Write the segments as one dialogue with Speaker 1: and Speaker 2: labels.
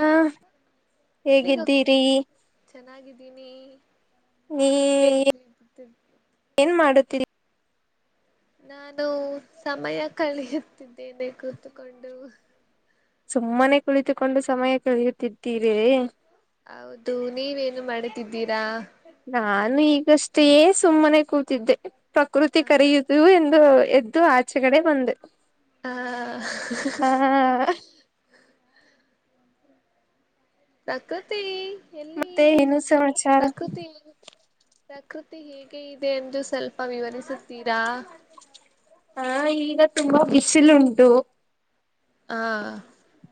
Speaker 1: ಹಾ
Speaker 2: ಎಲ್ಲಿಗ ಹೊಗ್
Speaker 1: ಹೇಗಿದ್ದೀರಿ
Speaker 2: ಚೆನ್ನಾಗ ಇದ್ದೀನಿ.
Speaker 1: ನೀ ಏನ್ ಮಾಡುತ್ತೀರಿ.
Speaker 2: ನಾನು ಸಮಯಾ ಕಳಿಯುತ್ತಿದ್ದೇನೆ ಕೂತಕೊಂಡು.
Speaker 1: ಸುಮ್ಮನೆ ಕುಳಿತುಕೊಂಡು ಸಮಯ ಕಳ್ಹಿಯುತ್ತಿತ್ತಿರೇ.
Speaker 2: ಹೌದು ನೀವ ಏನು ಮಾಡತಿದ್ದೀರಾ.
Speaker 1: ಎಷ್ಟೇ ಸುಮ್ಮನೆ ಕೂತಿದ್ದೆ. ಪ್ರಕೃತಿ
Speaker 2: ಹ
Speaker 1: ಕರೆಯುವುದು ಎನ್. ದು ಎದ್ದು ಆಚು ಕಡೆ ಬಂದೆ.
Speaker 2: ಆಆಹ್
Speaker 1: ಆ
Speaker 2: ಹಹ್ಹಹ್. ಪ್ರಕೃತಿ. ಎಲ್ಲಿ
Speaker 1: ಮತ್ತೆ ಏನು ಸಮಾಚಾರಾ.
Speaker 2: ಪ್ರಕೃತಿ ಪ್ರಕೃತಿ ಹೇಗೆ ಇದೆ ಎಂದು ಸ್ವಲ್ಪ ವಿವರಿಸುತ್ತೀರಾ.
Speaker 1: ಹಾ ಈಗ ತುಂಬಾ ಬಿಸಿಲ ಉಂಟು.
Speaker 2: ಆ.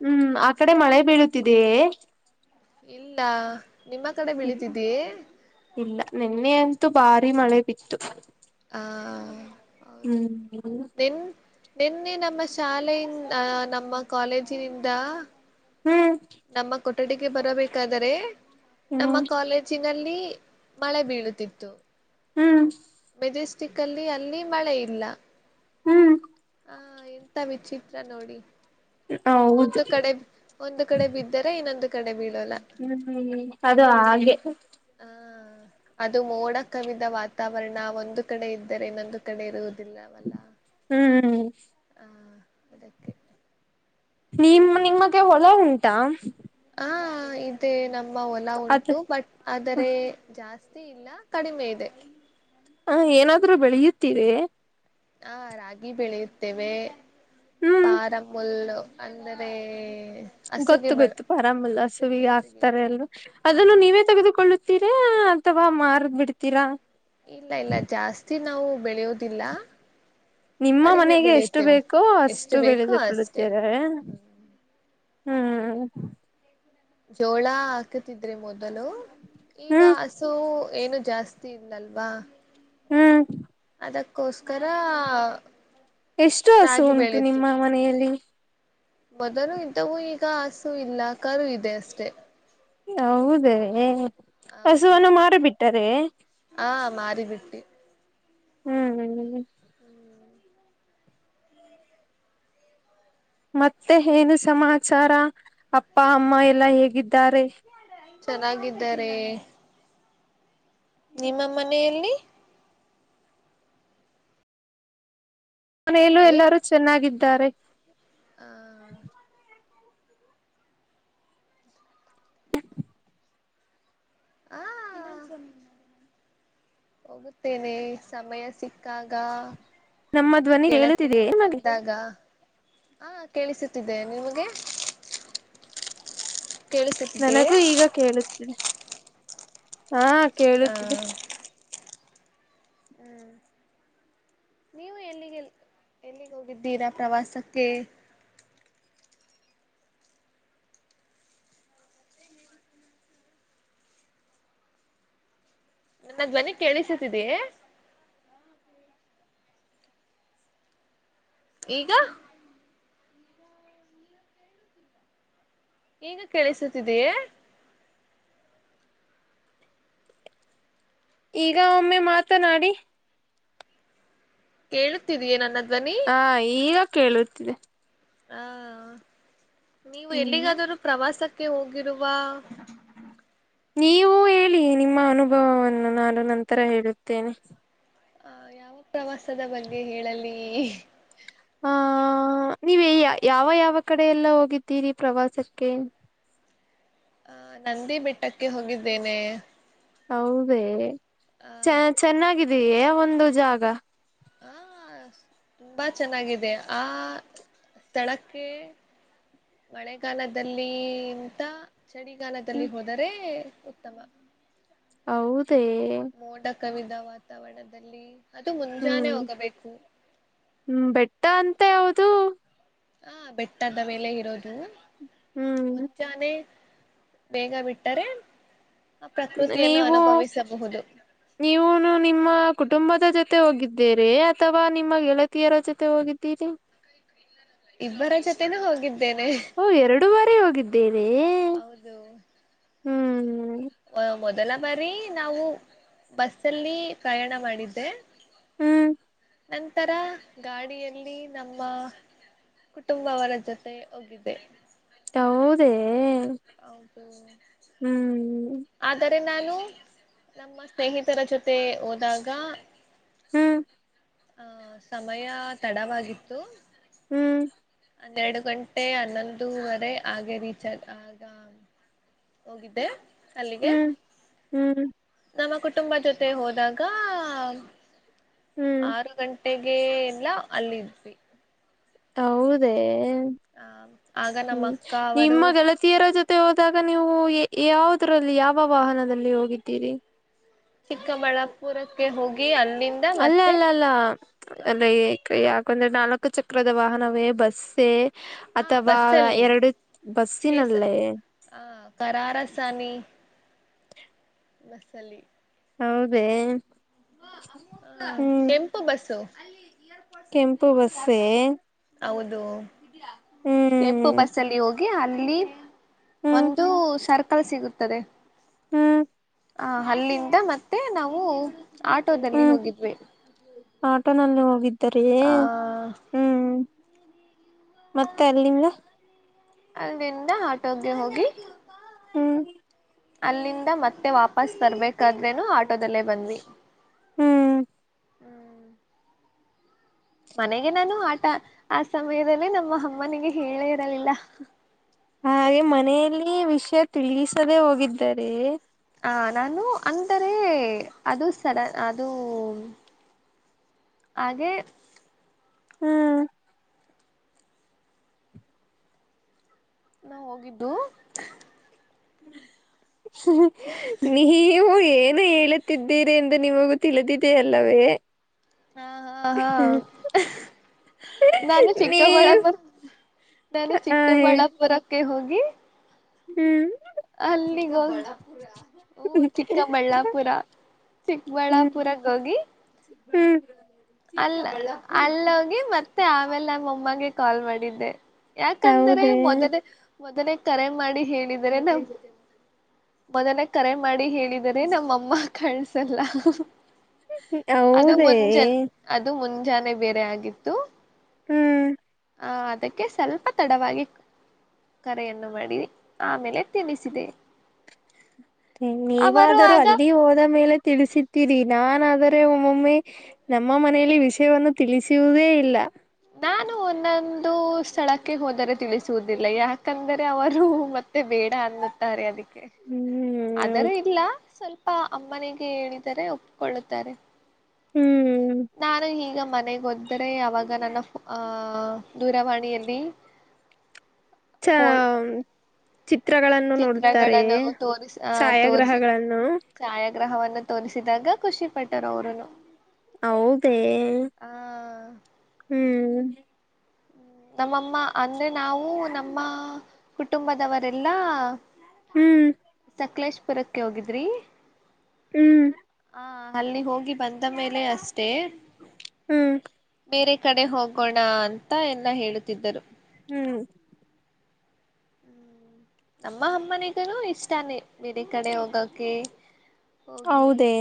Speaker 1: ಹ್ಮ್ ಆ ಕಡೆ ಮಳೆ ಬೀಳುತ್ತಿದೆಯೇ.
Speaker 2: ಇಲ್ಲಾ. ನಿಮ್ಮ ಕಡೆ ಬೆಳಿತಿದ್ದೀಯೆ.
Speaker 1: ನಿನ್ನೆಯಂತೂ ಭಾರಿ ಮಳೆ ಬಿತ್ತು.
Speaker 2: ಆ. ಹೌದು
Speaker 1: ಹ್ಮ್.
Speaker 2: ನಿನ್ ನಿನ್ನೆ ನಮ್ಮ ಶಾಲೆಯಿಂನ್‌ ಅ ನಮ್ಮ ಕ್ವಾಲೇಜಿನಿಂದಾ.
Speaker 1: ಹ್ಮ್.
Speaker 2: ನಮ್ಮ ಕೊಠಡಿಗೆ ಬರಬೇಕಾದರೆೆ. ನಮ್ಮ
Speaker 1: ಹ್ಮ್
Speaker 2: ಕ್ವಾಲೇಜಿನ. ನಲ್ಲಿ ಮಳೆ ಬೀಳುತ್ತಿತ್ತು.
Speaker 1: ಹ್ಮ್.
Speaker 2: ಮೆಜೆಸ್ಟಿಕ್ ಅಲ್ಲಿ ಅಲ್ಲಿ ಮಳೆ ಇಲ್ಲಾ.
Speaker 1: ಹ್ಮ್.
Speaker 2: ಹಾ ಇಂತಾ ವಿಚಿತ್ರ ನೋಡಿ.
Speaker 1: ಹೌದು
Speaker 2: ಒಂದು ಕಡೆ ಒಂದು ಕಡೆ ಬಿದ್ದರೆ ಇನ್ನೊಂದು ಕಡೆ ಬೀಳೋಲ್ಲ
Speaker 1: ಹ್ಮ ಅದು ಹಾಗೆ.
Speaker 2: ಆ ಅದು ಮೋಡ ಕವಿದ ವಾತಾವರಣಾ ಒಂದು ಕಡೆ ಇದ್ದರೆ ಇನ್ನೊಂದು ಕಡೆ ಇರುವುದ. ದಿಲ್ಲಾ ವಲ್ಲಾ.
Speaker 1: ಹ್ಮ್
Speaker 2: ಹಾ ಅದಕ್ಕೆೆ.
Speaker 1: ನಿಮ್ ನಿಮಗೆ ಹೊಲಾ ಉಂಟಾ.
Speaker 2: ಹಾ ಇದೆ ನಮ್. ನಮ್ಮ ಹೊಲಾ
Speaker 1: ಅದ್
Speaker 2: ಉಂಟು ಬಟ್ ಆದರೆ ಜಾಸ್. ಜಾಸ್ತಿ ಇಲ್ಲಾ ಕಡಿಮೆ ಇದೆ.
Speaker 1: ಹಾ ಏನಾದ್ರೂ ಬೆಳೆಯುತ್ತೀವೆ.
Speaker 2: ಹಾ ರಾಗಿ ಬೆಳೆಯುತ್ತೇವೆ.
Speaker 1: ಹ್ಮ್
Speaker 2: ಪಾರಾ ಫುಲ್ಲು. ಅಂದರೇ.
Speaker 1: ಗೊತ್ತು ಗೊತ್ತು ಪರಾಮಿಲ್ಲ ಸುವಿಗೆ
Speaker 2: ಹಸಿಗೆ
Speaker 1: ಆಗ್ತಾರೆ ಎಲ್ವಾ
Speaker 2: ಹ
Speaker 1: ಅದನ್ನು ನೀವೇ ತೆಗೆದುಕೊಳ್ಳ್ ತ್ತಿರಾ ಅಥವಾ ಮಾರ್ಬಿಡ್ತೀರಾ.
Speaker 2: ಇಲ್ಲ ಇಲ್ಲ ಜಾಸ್ತಿ ನಾವು ಬೆಳೆಯೋದಿಲ್ಲ.
Speaker 1: ನಿಮ್ಮ
Speaker 2: ಕಡಿಮೆ
Speaker 1: ಮನೆಗೆ ಎಷ್ಟು
Speaker 2: ಬೆಳೆಯುತ್ತೇವೆ
Speaker 1: ಬೇಕೋ
Speaker 2: ಎಷ್ಟು
Speaker 1: ಅಷ್ಟು
Speaker 2: ಬೇಕೋ ಅಷ್ಟೆ
Speaker 1: ಬೆಳೆದುಕೊಳ್ಳುತ್ತಿರೆ. ಹ್ಮ್
Speaker 2: ಜೋಳ ಹಾಕ್ ತಿದ್ರೆ ಮೊದ ಲು ಈಗ
Speaker 1: ಹ್ಮ್
Speaker 2: ಹಸು ಏನು ಜಾಸ್ತಿ ಇಲ್ಲಲ್ವಾ.
Speaker 1: ಹ್ಮ್
Speaker 2: ಅದಕ್ಕೋಸ್ಕರಾ
Speaker 1: ಎಷ್ಟು ಹಸು ಉಂಟು ನಿಮ್ಮ ಮನೆಯಲ್ಲಿ.
Speaker 2: ಮೊದಲು ಇದ್ದವು ಈಗ ಹಸು ಇಲ್ಲ ಕರು ಇದೆ ಅಷ್ಟೆ.
Speaker 1: ಹೌದೇ ಹಸುವನ್ನು
Speaker 2: ಹೌದು
Speaker 1: ಮಾರಿಬಿಟ್ಟರೆ
Speaker 2: ಹಾ ಮಾರಿಬಿಟ್ಟಿ
Speaker 1: ಹ್ಮ್ ಹ್ಮ್್ಮ್
Speaker 2: ಹ್ಮ್
Speaker 1: ಮತ್ತೆ ಹೇನು ಸಮಾಚಾರ. ಅಪ್ಪ ಅಮ್ಮ ಎಲ್ಲಾ ಹೇಗಿ ತ್ತಾರೆ.
Speaker 2: ಚೆನ್ನಗಿದ್ದಾರೆ ನಿಮ್ಮ ಮನೆಯಲ್ಲಿ
Speaker 1: ಮನೇಲ್ಲು ಎಲ್ಲಾರೂ ಚೆನ್ನಾಗಿದ್ದ್ ದರೆ.
Speaker 2: ಹ ಹಾ ಹೋಗುತ್ತೇನೆ ಸಮಯ ಸಿಕ್ಕಾಗ.
Speaker 1: ನಮ್ಮ ಧ್ವನಿ ಕೇಳುತ್ತಿದೆಯ
Speaker 2: ಗೆಳತಿಯರು
Speaker 1: ನಿಮಗೆ
Speaker 2: ಬಂದಾಗ ಹಾ ಕೇಳಿಸುತ್ತಿದ್ದೆ ನಿಮಗೆ. [unintelligible]
Speaker 1: ನನಗೂ ಈಗ ಕೇಳುತ್ತಿದೆ. ಹಾ
Speaker 2: ಹ
Speaker 1: ಕೇಳುತ್ತಿದೆ.
Speaker 2: ಹ್ಮ ನೀವು ಎಲ್ಲಿಗೆ ಎಲ್ಲಿಗೆ ಹೋಗಿದ್ದೀರಾ ಪ್ರವಾಸಕ್ಕೆ ನನ್ನ ಧ್ವನಿ ಕೇಳಿಸುತ್ತಿದೆಯೆ ಈಗ ಈಗ ಕೇಳಿಸುತ್ತಿದೆಯೇ?
Speaker 1: ಈಗ ಒಮ್ಮೆ ಮಾತನಾಡಿ.
Speaker 2: ಕೇಳುತ್ತಿದೆಯೇ ನನ್ನ ಧ್ವನಿ.
Speaker 1: ಹಾ ಈಗ [inaudible]
Speaker 2: ಹಾ ನೀವು
Speaker 1: ಹ್ಮ್
Speaker 2: ಎಲ್ಲಿಗಾದರೂ ಪ್ರವಾಸಕ್ ಕ್ಕೆ ಹೋಗಿರುವ
Speaker 1: ನೀವು ಹೇಳಿ ನಿಮ್ಮ ಅನುಭವವನ್ನು ನಾನು ನಂತರ ಹೇಳುತ್ತೇನೆ.
Speaker 2: ಆ ಯಾವ ಪ್ರವಾಸದ ಬಗ್ಗೆ ಹೇಳಲಿ?
Speaker 1: ಹಾ ನೀವು ಯಾವ ಯಾವ ಕಡೆ ಎಲ್ಲ ಹೋಗಿದ್ದೀರಿ ಪ್ರವಾಸಕ್ಕೆ?
Speaker 2: ಆ ನಂದಿ ಬೆಟ್ಟಕ್ಕೆ ಹೋಗಿದ್ದೇನೆ.
Speaker 1: ಹೌದೇ
Speaker 2: ಆ
Speaker 1: ಚ ಚೆನ್ನಾಗಿದೆಯೆ? ಒಂದು ಜಾಗ
Speaker 2: ಹ ತುಂಬಾ ಚೆನ್ನಾಗಿದೆ ಆ ತಳಕ್ಕೆ ಮಳೆಗಾಲದಲ್ಲಿಂತ ಚಳಿಗಾಲದಲ್ಲಿ
Speaker 1: ಹ್ಮ್
Speaker 2: ಹೋದರೆ ಉತ್ತಮ.
Speaker 1: ಹೌದ್-
Speaker 2: ಮೋಡ ಕವಿದ ವಾತಾವರಣದಲ್ಲಿ ಅದು ಮುಂಜಾನೆ
Speaker 1: ಹ್ಮ್
Speaker 2: ಹೋಗಬೇಕು
Speaker 1: ಹ್ಮ ಬೆಟ್ಟ ಅಂತೆ ಹೌದು.
Speaker 2: ಹ ಬೆಟ್ಟದ ಮೇಲೆ ಇರೋದು.
Speaker 1: ಹ್ಮ್
Speaker 2: ಮುಂಜಾನೆ ಬೇಗ ಬಿಟ್ಟರೆ ಆ ಪ್ರಕೃತಿಯನ್ನು
Speaker 1: ನೀವು
Speaker 2: ಅನುಭವಿಸಬಹುದು
Speaker 1: ನೀವುನು ನಿಮ್ಮ ಕುಟುಂಬದ ಜೊತೆ ಹೋಗಿದ್ದೀರಿ ಅಥವಾ ನಿಮ್ಮ ಗೆಳತಿಯರ ಜೊತೆ ಹೋಗಿದ್ದೀರಿ?
Speaker 2: ಇಬ್ಬರ ಜೊತೆನು ಹೋಗಿದ್ದ್
Speaker 1: ಓ ಎರಡು ಬಾರಿ ಹೋಗಿದ್ ದ್ದೀರೀ.
Speaker 2: ಹೌದು.
Speaker 1: ಹ್ಮ್
Speaker 2: ಒ ಮೊದಲ ಬಾರಿ ನಾವು ಬಸ್ ಅಲ್ಲಿ ಪ್ರಯಾಣ ಮಾಡಿದ್ದೆ.
Speaker 1: ಹ್ಮ್
Speaker 2: ನಂತರ ಗಾಡಿಯಲ್ಲಿ ನಮ್ಮ ಕುಟುಂಬವರ ಜೊತೆ ಹೋಗಿದ್ದೆ.
Speaker 1: ಹೌದೇ?
Speaker 2: ಹೌದು.
Speaker 1: ಹ್ಮ್
Speaker 2: ಆದ ತ್ತೆ ನಾನು ನಮ್ಮ ಸ್ನೇಹಿತರ ಜೊತೆ ಹೋದಾಗ
Speaker 1: ಹ್ಮ್
Speaker 2: ಆ ಸಮಯ ತಡವಾಗಿತ್ತು.
Speaker 1: ಹ್ಮ್
Speaker 2: ಹನ್ನೆರಡು ಗಂಟೆ ಹನ್ನೊಂದುವರೆ ಹಾಗೆ ರೀಚ್ ಆದ್ ಆಗ ಹೋಗಿದ್ದೆ. ಅಲ್ಲಿಗೆ
Speaker 1: ಹ್ಮ್ ಹ್ಮ್
Speaker 2: ನಮ್ಮ ಕುಟುಂಬ ಜೊತೆ ಹೋದಾಗ
Speaker 1: ಹ್ಮ್
Speaker 2: ಆರು ಗಂಟೆಗೆ ಗೆ ಎಲ್ಲ ಅಲ್ಲಿದ್ವಿ.
Speaker 1: ಹೌದೇ?
Speaker 2: ಆ ಆಗ ನಮ್ಮ
Speaker 1: ಹ್ಮ್
Speaker 2: ಅಕ್ಕ ಅವರು
Speaker 1: ನಿಮ್ಮ ಗೆಳತಿಯರ ಜೊತೆ ಹೋದಾಗ್ ಗ ನೀವು ಯಾವುದ್ರಲ್ಲಿ ಯಾವ ವಾಹನದಲ್ಲಿ ಹೋಗಿದ್ದೀರಿ?
Speaker 2: ಚಿಕ್ಕಬಳ್ಳಾಪುರಕ್ಕೆ ಹೋಗಿ ಅಲ್ಲಿಂದ
Speaker 1: ಅಲ್ಲ
Speaker 2: ಮತ್ತೆ
Speaker 1: ಅಲ್ಲ ಅಲ್ಲ ಅದೆ ಕ ಯಾಕ್ ಕಂದ್ರೆ ನಾಲ್ಕು ಚಕ್ರದ ವಾಹನವೇ ಬಸ್ಸೇ?
Speaker 2: ಹಾ
Speaker 1: ಅಥವಾ
Speaker 2: ಬಸ್ಸಲ್ಲಿ
Speaker 1: ಎರಡು
Speaker 2: ಕೇಸ
Speaker 1: ಬಸ್ಸಿನಲ್ಲೇ
Speaker 2: ಹ ಕರಾರಸಾನಿ ಬಸ್ಸಲ್ಲಿ.
Speaker 1: ಹೌದೇ?
Speaker 2: ಆ
Speaker 1: ಹ್ಮ್
Speaker 2: ಕೆಂಪು ಬಸ್ಸು.
Speaker 1: ಕೆಂಪು ಬಸ್ಸೇ?
Speaker 2: ಹೌದು. ಕೆಂಪು
Speaker 1: ಹ್ಮ್
Speaker 2: ಬಸ್ಸಲ್ಲಿ ಹೋಗಿ ಅಲ್ [inaudible]
Speaker 1: ಹ್ಮ್
Speaker 2: ಒಂದು ಸರ್ಕ ಕಲ್ ಸಿಗುತ್ತದೆ.
Speaker 1: ಹ್ಮ್
Speaker 2: ಆ ಅಲ್ಲಿಂದ ಮತ್ತೆ ನಾವು ಆಟೋದಲ್ಲಿ
Speaker 1: ಹ್ಮ್
Speaker 2: ಹೋಗಿದ್ವಿ.
Speaker 1: ಆಟೋನಲ್ಲಿ ಹೋಗಿದ್ ತ್ತರಿಯೇ
Speaker 2: ಆ
Speaker 1: ಹ್ಮ್. ಮತ್ತೆ ಅಲ್ಲಿಂದ
Speaker 2: ಅಲ್ಲಿಂದ ಆಟೋಗೆ ಹೋಗಿ
Speaker 1: ಹ್ಮ್
Speaker 2: ಅಲ್ಲಿಂದ ಮತ್ತೆ ವಾಪಸ್ ಬರ್ಬೇಕಾದ್ರೇನು ಆಟೋದಲ್ಲೇ ಬಂದ್ವಿ.
Speaker 1: ಹ್ಮ್
Speaker 2: ಹ್ಮ್ ಮನೆಗೆ ನಾನು ಆ ಆ ಸಮಯದಲ್ಲಿ ನಮ್ಮ ಅಮ್ಮನಿಗೆ ಹೇಳೇ ಇರಲಿಲ್ಲ.
Speaker 1: ಹಾಗೆ ಮನೆಯಲ್ಲಿ ವಿಷಯ ತಿಳಿಸದೆೇ ಹೋಗಿದ್ದರೆ
Speaker 2: ಆ ನಾನು ಅಂದರೆ ಅದು ಸಡನ್ ಅದು ಹಾಗೆ
Speaker 1: ಹ್ಮ್
Speaker 2: ನಾ ಹೋಗಿದ್ದು.
Speaker 1: ಹ್ಮ್ ನೀವು ಏ ನೆ ಹೇಳುತ್ತಿದ್ದೀರಿ ಎಂದು ನಿಮಗೂ ತಿಳಿದಿದೆಯಲ್ಲವೇ.
Speaker 2: ಹ ಹಾ ಹಾ ನಾನು
Speaker 1: ನೀವು
Speaker 2: ಚಿಕ್ಕಬಳ್ಳಾಪುರ್ ನಾನು
Speaker 1: ಹಾ ಹೇಳಿ
Speaker 2: ಚಿಕ್ಕಬಳ್ಳಾಪುರ ಕ್ಕೆ ಹೋಗಿ
Speaker 1: ಹ್ಮ್
Speaker 2: ಅಲ್ಲಿಗೋಗಿ ಹು ಚಿಕ್ಕಬಳ್ಳಾಪುರ
Speaker 1: ಹ್ಮ್
Speaker 2: ಚಿಕ್ಕ್ಬಳ್ಳಾಪುರಗ ಹೋಗಿ
Speaker 1: ಹ್ಮ್
Speaker 2: ಅಲ್ಲೊಗಿ ಮತ್ತ್ ತ್ತೆ ಆಮೇಲೆ ನಮ್ಮಮ್ಮಂಗೆ ಕಾಲ್ ಮಾಡಿದ್ದೆ. ಯಾಕಂದ್ರೆ
Speaker 1: ಹೌದೇ
Speaker 2: ಮೊದಲೇ ಮೊದನೇ ಕರೆ ಮಾಡಿ ಹೇಳಿದ್ ದರೆ ನಮ್ ಮೊದಲೆ ಕರೆ ಮಾಡಿ ಹೇಳಿದರೆ ನಮ್ಮಮ್ಮ ಕಳ್ಸಲ್ಲ.
Speaker 1: ಹೌದೇ?
Speaker 2: ಜಾನೆ ಬೇರೆ ಆಗಿತ್ತು.
Speaker 1: ಹ್ಮ್
Speaker 2: ಆ ಅದಕ್ಕೆ ಸ್ವಲ್ಪ ತಡವಾಗಿ ಕರೆಯನ್ನು ಮಾಡಿದಿ. ಆಮೇಲೆ ತಿಳಿಸಿದೆ. ಅವರು
Speaker 1: ನೀವಾದರೂ
Speaker 2: ಆಗ
Speaker 1: ಅಲ್ಲಿ ಹೋದ ಮೇಲೆ ತಿಳಿಸಿದ್ದೀರಿ. ನಾನಾದರೆ ಒಮ್ಮೊಮ್ಮೆ ನಮ್ಮ ಮನೆಯಲ್ಲಿ ವಿಷಯವನ್ನು ತಿಳಿಸುವುದೇ ಇಲ್ಲ.
Speaker 2: ನಾನು ಒಂದೊಂದು ಸ್ಥಳಕ್ಕೆ ಹೋದರೆ ತಿಳಿಸುವುದಿಲ್ಲ, ಯಾಕಂದರೆ ಅವರು ಮತ್ತೆ ಬೇಡ ಅನ್ನುತ್ತಾರೆ ಅದಕ್ಕೆ. ಕೆ
Speaker 1: ಹ್ಮ್
Speaker 2: ಆದರೆ
Speaker 1: ಹೌದು
Speaker 2: ಇಲ್ಲ ಸ್ವಲ್ ಪ್ಪಾ ಅಮ್ಮನಿಗೆ ಹೇಳಿದರೆ ಒಪ್ಕೊಳ್ಳುತ್ತಾರೆ.
Speaker 1: ಹ್ಮ್
Speaker 2: ನಾನು ಈಗ ಮ ಮನೆಗೆೊದ್ರೆ ಅವಾಗ ನನ್ನ ಆ ದೂರವಾಣಿಯಲ್ಲಿ
Speaker 1: ಚಹಾ.
Speaker 2: ಫೋ
Speaker 1: ಚಿತ್ರಗಳನ್ನು ನೋಡುತ್ತಾರೆ
Speaker 2: ಚಿತ್ರಗಳನ್ನು ತೋರಿಸ
Speaker 1: ಛಾಯಾಗ್ರಹಗಳನ್ನು.
Speaker 2: ಗ್ರಹವನ್ನು ತೋರಿಸಿದಾಗ ಖುಷಿ ಪಟ್ಟರು ಅವರುನು.
Speaker 1: ಹೌದೇ.
Speaker 2: ಆ
Speaker 1: ಹ್ಮ್.
Speaker 2: ನಮ್ಮಮ್ಮ ಅಂದ್ರೆ ನಾವು ನಮ್ಮ ಕುಟುಂಬದವರೆಲ್ಲಾ.
Speaker 1: ಹ್ಮ್.
Speaker 2: ಸಾಕಲೇಶಪುರಕ್ಕೆ ಹೋಗಿದ್ರಿ.
Speaker 1: ಹ್ಮ್.
Speaker 2: ಹಾ ಅಲ್ಲಿ ಹೋಗಿ ಬಂದ ಮೇಲೆ ಅಷ್ಟೇ.
Speaker 1: ಹ್ಮ್.
Speaker 2: ಬೇರೆ ಕಡೆ ಹೋಗೋಣ ಅಂತ. ಅಂತ ಹೇಳುತ್ತಿದ್ದರು.
Speaker 1: ಹ್ಮ್.
Speaker 2: ನಮ್ಮ ಅಮ್ಮನಿಗೂ ಇಷ್ಟಾನ ಬಿರೆ ಕಡೆ ಹೋಗೋಕೆ.
Speaker 1: ಹೌದೇ.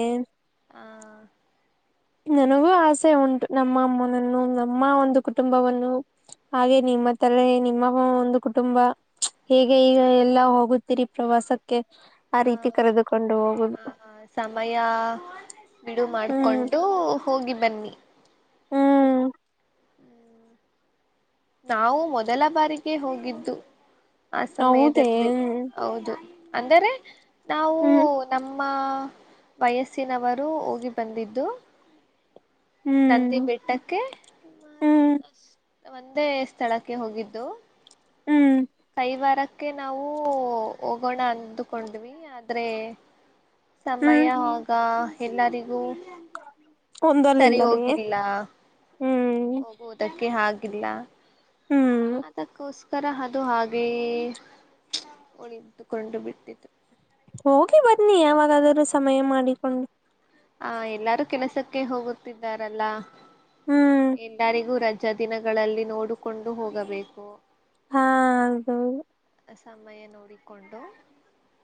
Speaker 1: ನನಗೂ ಆಸೆ ಉಂಟು ನಮ್ಮ ಅಮ್ಮನನ್ನು ನಮ್ಮ ಒಂದು ಕುಟುಂಬವನ್ನು ಹಾಗೆ ನಿಮ್ಮ ತಲೆ ನಿಮ್ಮ ಒಂದು ಕುಟುಂಬ ಹೇಗೆ ಈಗ ಎಲ್ಲ ಹೋಗುತ್ತೀರಿ ಪ್ರವಾಸಕ್ಕೆ. ಆ ರೀತಿ
Speaker 2: ಹ
Speaker 1: ಕರೆದುಕೊಂಡು ಹೋಗುದು
Speaker 2: ಆ ಸಮಯ ಬಿಡು
Speaker 1: ಹ್ಮ್
Speaker 2: ಮಾಡ್ಕೊಂಡು. ಹೋಗಿ ಬನ್ನಿ.
Speaker 1: ಹ್ಮ್.
Speaker 2: ಹ್ಮ್. ನಾವು ಮೊದಲ ಬಾರಿಗೆ ಹೋಗಿದ್ದು. ಆ
Speaker 1: ಹೌದೇ
Speaker 2: ಸಮಯದಲ್ಲಿ ಹೌದು. ಅಂದ್ರೆ. ನಾವು
Speaker 1: ಹ್ಮ್
Speaker 2: ನಮ್ಮ. ನಮ್ಮ ವಯಸ್ಸಿನವರು ಹೋಗಿ ಬಂದಿದ್ದು. ನಂದಿ
Speaker 1: ಹ್ಮ್
Speaker 2: ಬೆಟ್ಟಕ್ಕೆ.
Speaker 1: ಹ್ಮ್
Speaker 2: ಒಂದೇ ಸ್ಥಳಕ್ಕೆ ಹೋಗಿದ್ದು.
Speaker 1: ಹ್ಮ್.
Speaker 2: ಕೈವಾರಕ್ಕೆ ನಾವು ಹೋಗೋಣ ಅಂದುಕೊಂಡ್ವಿ ಆದ್ರೆ. ಸಮಯ
Speaker 1: ಹ್ಮ್
Speaker 2: ಆಗ. ಎಲ್ಲಾರಿಗೂ.
Speaker 1: ಒಂದಲ್ಲಿಲ್ಲವೇ ಹ್ಮ್.
Speaker 2: ಹೋಗುವುದಕ್ಕೆ ಆಗಿಲ್ಲ.
Speaker 1: ಹ್ಮ್
Speaker 2: ಅದಕ್ಕೋಸ್ಕ ತರ ಅದು ಹಾಗೇ ಉಳಿದುಕೊಂಡು ಬಿಟ್ಟತ್ತು.
Speaker 1: ಹೋಗಿ ಬನ್ನಿ ಯಾವಾಗಾದ್ರೂ ಸಮಯ ಮಾಡಿಕೊಂಡು.
Speaker 2: ಹಾ ಎಲ್ಲಾರು ಕೆಲಸಕ್ಕೆ ಹೋಗುತ್ತಿದ್ದಾರಲ್ಲ.
Speaker 1: ಹ್ಮ್
Speaker 2: ಎಲ್ಲರಿಗೂ ರಜೆ. [unintelligible] ದಿನಗಳಲ್ಲಿ ನೋಡಿಕೊಂಡು ಹೋಗಬೇಕು.
Speaker 1: ಹಾ ಹೌದು ಹೌದು.
Speaker 2: ಸಮಯ ನೋಡಿಕೊಂಡು.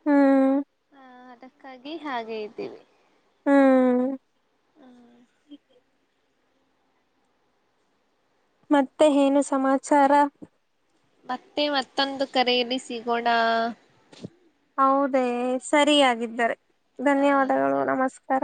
Speaker 1: ಹ್ಮ್.
Speaker 2: ಹ ಅದಕ್ಕಾಗಿ ಹಾಗೆ ಇದ್ದೀವಿ.
Speaker 1: ಹ್ಮ್
Speaker 2: ಹ.
Speaker 1: ಮತ್ತೆ ಏನು ಸಮಾಚಾರ.
Speaker 2: ಮತ್ತ [unintelligible] ಮತ್ತೆ ಮತ್ತೊಂದು ಕರೆಯಲ್ಲಿ ಸಿಗೋಣ.
Speaker 1: ಹೌದೇ ಸರಿಯಾಗಿದ್ದರೆ.
Speaker 2: ಹ
Speaker 1: ಧನ್ಯವಾದಗಳು
Speaker 2: ಸರಿ ಸರಿ
Speaker 1: ನಮಸ್ಕಾರ.